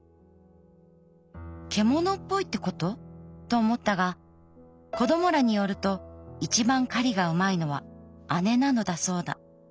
獣っぽいってこと？と思ったが子どもらによると一番狩りがうまいのはアネなのだそうだ。